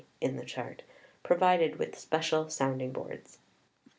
in the Chart], provided with special sounding boards.